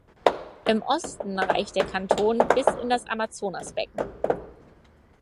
Im Osten reicht der Kanton bis in das Amazonasbecken.